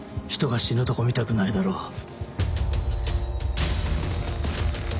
人が死ぬとこ見たくないだろう。